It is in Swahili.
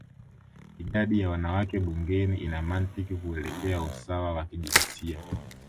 idadi ya wanawake bungeni ina mantiki kuelekea usawa wa kijinsia